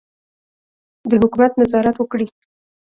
د حکومت نظارت وکړي.